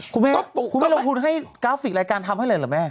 คุณแม่คุณไม่ลงทุนให้กราฟิกรายการทำให้เลยเหรอแม่